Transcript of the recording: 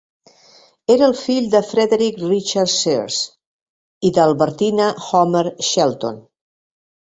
Era el fill de Frederic Richard Sears i d'Albertina Homer Shelton.